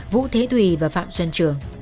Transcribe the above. vũ thế thùy và phạm xuân trường